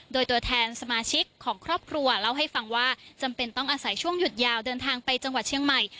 โดยตัวแทนสมาชิกของครอบครัวเล่าให้ฟังว่าจำเป็นต้องอาศัยช่วงหยุดยาวเดินทางไปจังหวัดเชียงใหม่